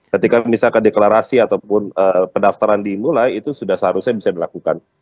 ketika misalkan deklarasi ataupun pendaftaran dimulai itu sudah seharusnya bisa dilakukan